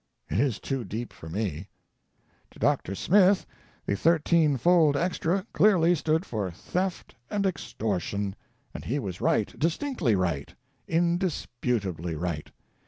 It is too deep for me. To Dr. Smith, the "thirteen fold extra" clearly stood for "theft and extortion," and he was right, distinctly right, indis putably right.